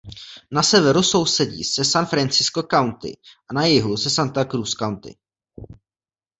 Na severu sousedí se San Francisco County a na jihu se Santa Cruz County.